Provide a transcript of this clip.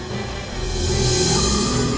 tidak ada satu